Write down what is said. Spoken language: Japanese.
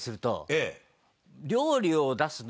ええ。